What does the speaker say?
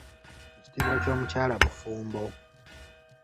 Ekitiibwa ky’omukyala bufumbo.